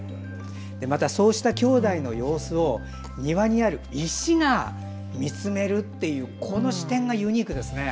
そうしたきょうだいの様子を庭にある石が見つめるっていうこの視点がユニークですね。